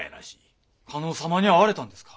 加納様に会われたのですか？